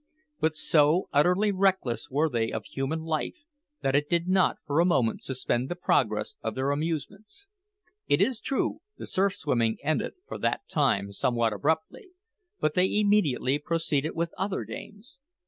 But so utterly reckless were they of human life that it did not for a moment suspend the progress of their amusements. It is true the surf swimming ended for that time somewhat abruptly, but they immediately proceeded with other games.